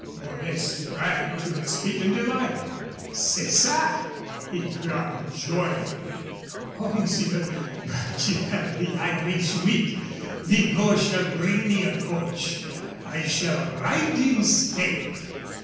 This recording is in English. Mornay sprang to his feet in delight. "C'est ça!" he cried, joyfully. "Oh, monsieur, but you have the Irish wit. Vigot shall bring me a coach. I shall ride in state."